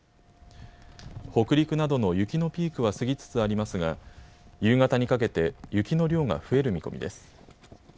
北陸などの雪のピークは過ぎつつありますが夕方にかけて雪の量が増える見込みです。